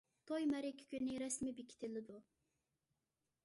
توي مەرىكە كۈنى رەسمىي بېكىتىلىدۇ.